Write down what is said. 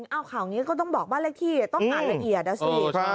เอาข่าวนี้ก็ต้องบอกบ้านเลขที่ต้องอ่านละเอียดนะสิ